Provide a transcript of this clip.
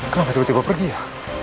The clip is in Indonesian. kamu tiba tiba pergi ya